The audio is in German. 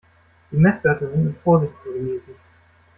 Die Messwerte sind mit Vorsicht zu genießen.